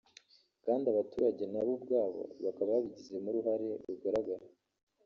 kandi abaturage nabo ubwabo bakaba babigizemo uruhare rugaragara